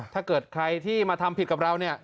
ถ้าเกิดใครที่มาทำผิดกับเราเนี่ย